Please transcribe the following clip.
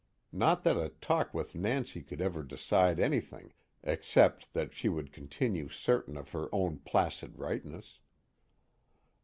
Not that a talk with Nancy could ever decide anything except that she would continue certain of her own placid rightness.